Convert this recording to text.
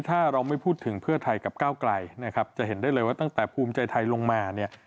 ถ้าเราไม่พูดถึงเพื่อไทยกับก้าวไกลนะครับจะเห็นได้เลยว่าตั้งแต่ภูมิใจไทยลงมาเนี่ย